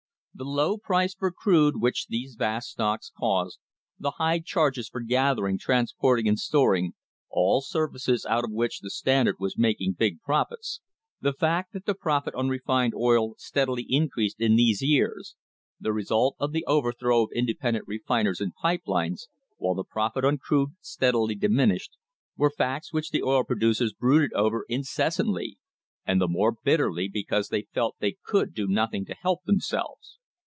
The low price for crude which these vast stocks caused, the high charges for gathering, transporting and storing, all services out of which the Standard was making big profits, the fact that the profit on refined oil steadily increased in these years the result of the overthrow of independent refiners and pipe lines while the profit on crude steadily diminished, were facts which the oil producers brooded over incessantly, and the more bitterly because they felt they could do nothing to help themselves.